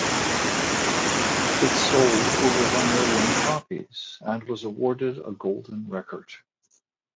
It sold over one million copies, and was awarded a golden record.